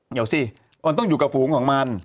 เดี๋ยวสิมันต้องอยู่กับฝูงของมัน